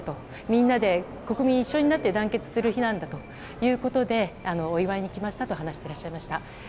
みんなで国民一緒になって団結する日なんだということでお祝いに来ましたと話していらっしゃいました。